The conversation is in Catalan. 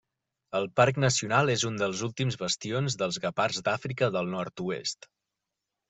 El Parc Nacional és un dels últims bastions dels guepards d'Àfrica del nord-oest.